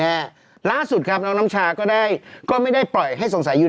น้ำชาชีวนัทครับผมโพสต์ขอโทษทำเข้าใจผิดหวังคำเวพรเป็นจริงนะครับ